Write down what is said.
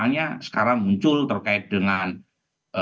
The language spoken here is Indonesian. misalnya sekarang muncul terkait dengan isu bergantung ke kekuasaan